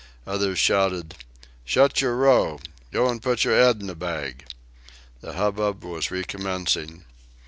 Others shouted: "Shut yer row!... Go an' put yer 'ed in a bag!..." The hubbub was recommencing.